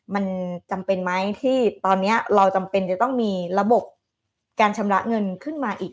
มันจำเป็นไหมที่ตอนนี้เราจำเป็นจะต้องมีระบบการชำระเงินขึ้นมาอีก